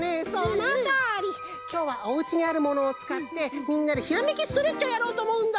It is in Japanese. きょうはおうちにあるものをつかってみんなでひらめきストレッチをやろうとおもうんだ！